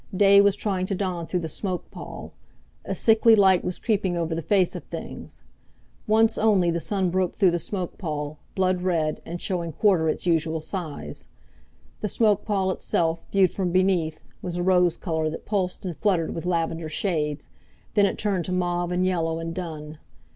Day was trying to dawn through the smoke pall. A sickly light was creeping over the face of things. Once only the sun broke through the smoke pall, blood red, and showing quarter its usual size. The smoke pall itself, viewed from beneath, was a rose color that pulsed and fluttered with lavender shades Then it turned to mauve and yellow and dun.